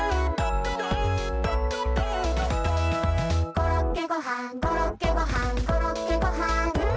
「コロッケごはんコロッケごはんコロッケごはん」